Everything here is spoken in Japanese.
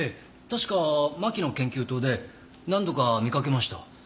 確か真木の研究棟で何度か見かけました。